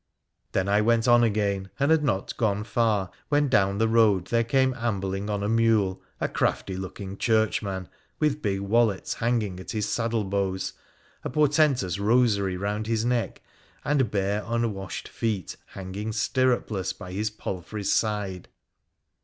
' Then I went on again, and had not gone far, when down the road there came ambling on a mule a crafty looking Church man, with big wallets hanging at his saddle bows, a portentous rosary round his neck, and bare unwashed feet hanging stirrup less by his palfrey's side.